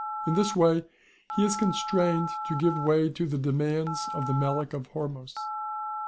In this way he is constrained to give way to the demands of the Melic of Hormos.